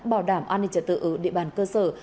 bảo đảm an ninh trật tự ở địa bàn cơ sở